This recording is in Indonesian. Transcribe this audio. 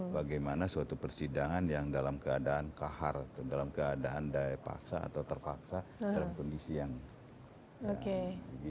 bagaimana suatu persidangan yang dalam keadaan kahar dalam keadaan daya paksa atau terpaksa dalam kondisi yang lain